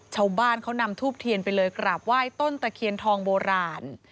ชาวบ้านเขานำทูบเทียนไปเลยกราบไหว้ต้นตะเคียนทองโบราณ